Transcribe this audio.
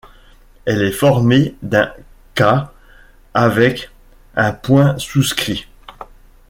Elle est formée d’un kha avec un point souscrit.